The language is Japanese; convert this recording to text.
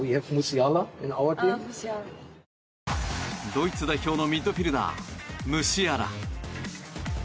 ドイツ代表のミッドフィールダー、ムシアラ。